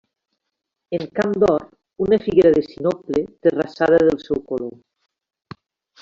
En camp d'or, una figuera de sinople, terrassada del seu color.